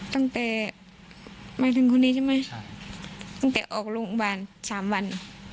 ตั้งแต่ภายถึงคนนี้ใช่มั้ยตั้งแต่ออกโรงคุณบนบาน๓วัน